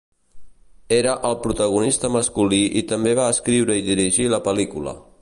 Era el protagonista masculí i també va escriure i dirigir la pel·lícula.